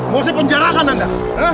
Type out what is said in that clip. musim penjarakan anda